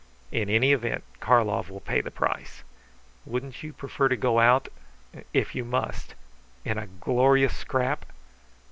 In any event, Karlov will pay the price. Wouldn't you prefer to go out if you must in a glorious scrap?"